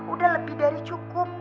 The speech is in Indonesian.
udah lebih dari cukup